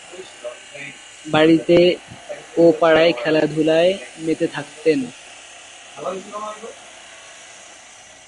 বাড়িতে ও পাড়ায় খেলাধূলায় মেতে থাকতেন।